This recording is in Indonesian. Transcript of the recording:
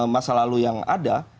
masa lalu yang ada